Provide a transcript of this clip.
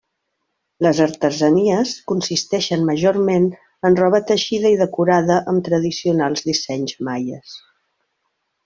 Les artesanies consisteixen majorment en roba teixida i decorada amb tradicionals dissenys maies.